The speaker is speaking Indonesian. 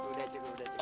udah cik udah cik